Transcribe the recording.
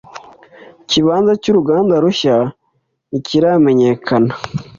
Ikibanza cyuruganda rushya ntikiramenyekana.